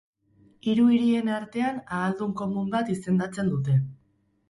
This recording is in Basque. Hiru hirien artean ahaldun komun bat izendatzen zuten.